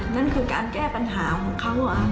นั่นคือการแก้ปัญหาของเขา